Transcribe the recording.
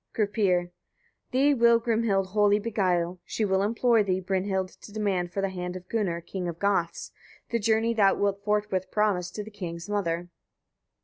Gripir. 35. Thee will Grimhild wholly beguile; she will implore thee Brynhild to demand for the hand of Gunnar, king of Goths: the journey thou wilt forthwith promise to the king's mother.